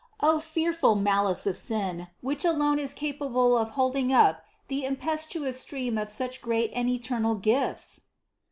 O fearful malice of sin, which alone is capable of holding up the impetuous stream of such great and eternal gifts!